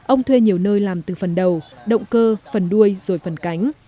ông thuê nhiều nơi làm từ phần đầu động cơ phần đuôi rồi phần cánh